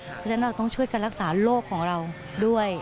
เพราะฉะนั้นเราต้องช่วยกันรักษาโรคของเราด้วย